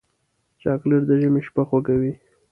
چاکلېټ د ژمي شپه خوږوي.